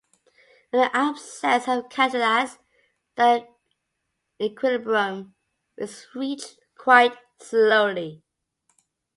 In the absence of a catalyst, the equilibrium is reached quite slowly.